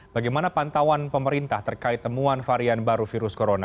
bagaimana pantauan pemerintah terkait temuan varian baru virus corona